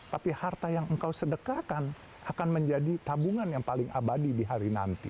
tapi harta yang engkau sedekahkan akan menjadi tabungan yang paling abadi di hari nanti